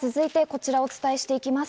では続いて、こちらをお伝えしていきます。